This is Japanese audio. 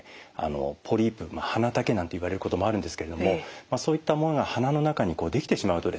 ポリープ鼻茸なんていわれることもあるんですけれどもそういったものが鼻の中に出来てしまうとですね